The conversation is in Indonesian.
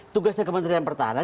tugasnya kementerian pertahanan